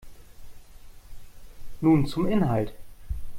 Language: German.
Nun zum Inhalt.